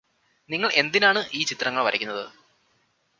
നിങ്ങള് എന്തിനാണ് ഈ ചിത്രങ്ങൾ വരക്കുന്നത്